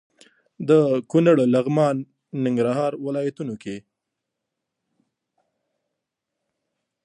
د کونړ، ننګرهار او لغمان ولايتونو کې